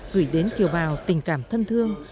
gửi đến kiều bào tình cảm thân thương